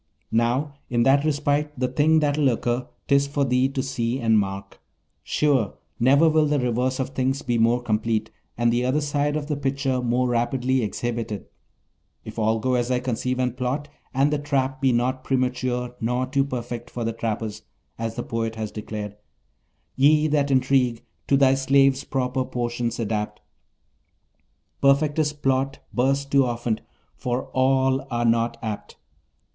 Now, in that respite the thing that will occur, 'tis for thee to see and mark; sure, never will reverse of things be more complete, and the other side of the picture more rapidly exhibited, if all go as I conceive and plot, and the trap be not premature nor too perfect for the trappers; as the poet has declared: "Ye that intrigue, to thy slaves proper portions adapt; Perfectest plots burst too often, for all are not apt."